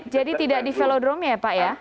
jadi tidak di velodrome ya pak ya